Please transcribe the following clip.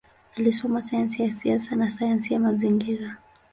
Alisoma sayansi ya siasa na sayansi ya mazingira.